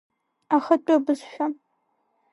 Ахатәы бызшәа…